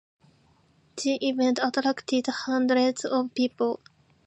The event attracted hundreds of people.